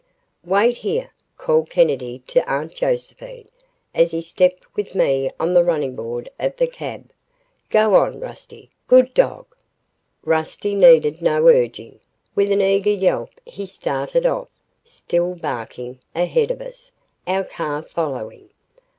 "Wait here," called Kennedy to Aunt Josephine, as he stepped with me on the running board of the cab. "Go on, Rusty, good dog!" Rusty needed no urging. With an eager yelp he started off, still barking, ahead of us, our car following.